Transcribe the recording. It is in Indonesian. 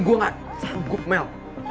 gue gak sanggup mel